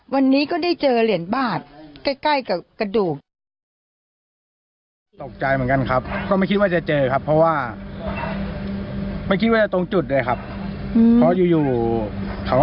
วันนี้ก็ได้เจอเหรียญบาทใกล้กับกระดูก